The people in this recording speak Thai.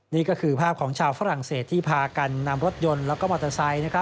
นี่ก็คือภาพของชาวฝรั่งเศสที่พากันนำรถยนต์และมอเตอร์ไซค์